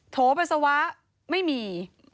โถปัสสาวะไม่มี